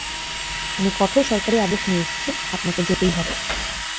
আমি কঠোর সরকারি আদেশ নিয়ে এসেছি আপানাকে যেতেই হবে।